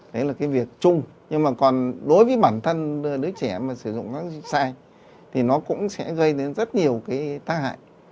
đây là việc chung nhưng đối với bản thân đứa trẻ sử dụng kháng sinh sai nó cũng sẽ gây rất nhiều tác hại